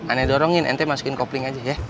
aneh dorongin ente masukin kopling aja ya